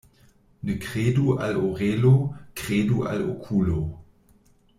Ne kredu al orelo, kredu al okulo.